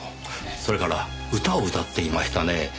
それから歌を歌っていましたね。